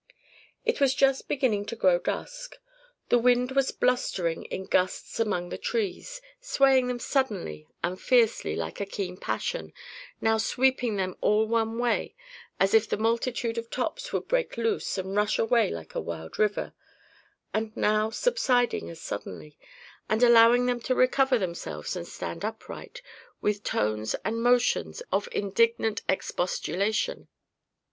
It was just beginning to grow dusk. The wind was blustering in gusts among the trees, swaying them suddenly and fiercely like a keen passion, now sweeping them all one way as if the multitude of tops would break loose and rush away like a wild river, and now subsiding as suddenly, and allowing them to recover themselves and stand upright, with tones and motions of indignant expostulation.